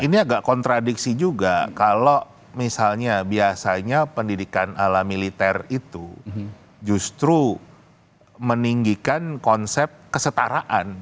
ini agak kontradiksi juga kalau misalnya biasanya pendidikan ala militer itu justru meninggikan konsep kesetaraan